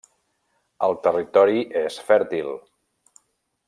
El territori és fèrtil.